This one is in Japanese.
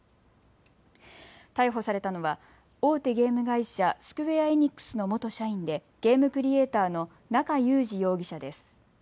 逮捕されたのは大手ゲーム会社、スクウェア・エニックスの元社員でゲームクリエーターの中裕司容疑者です。